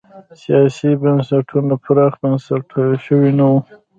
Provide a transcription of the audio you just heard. سیاسي بنسټونه پراخ بنسټه شوي نه وو.